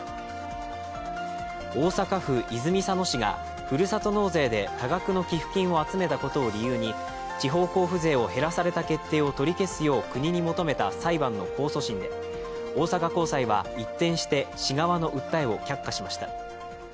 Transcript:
大阪府泉佐野市がふるさと納税で多額の寄付金を集めたことを理由に地方交付税を減らされた決定を取り消すよう国に求めた裁判の控訴審で、大阪高裁は一転して市側の訴えを却下しました。